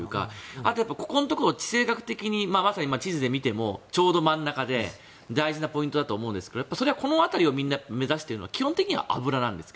あとはここ、地政学的に地図で見てもちょうど真ん中で大事なポイントだと思いますがこの辺りをみんなが目指しているというのは基本的には油なんですか。